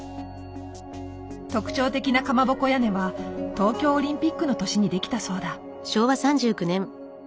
特徴的なカマボコ屋根は東京オリンピックの年に出来たそうだ。